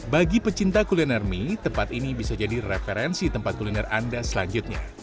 bagi pecinta kuliner mie tempat ini bisa jadi referensi tempat kuliner anda selanjutnya